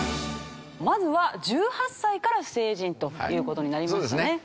まずは１８歳から成人という事になりましたね。